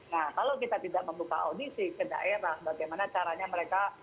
nah kalau kita tidak membuka audisi ke daerah bagaimana caranya mereka